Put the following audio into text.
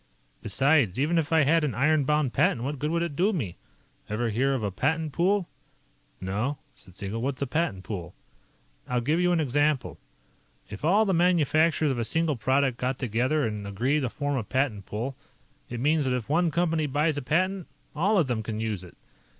"Besides, even if I had an iron bound patent, what good would it do me? Ever hear of a patent pool?" "No," said Siegel. "What's a patent pool?" "I'll give you an example. If all the manufacturers of a single product get together and agree to form a patent pool, it means that if one company buys a patent, all of them can use it.